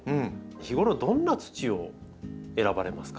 日頃どんな土を選ばれますか？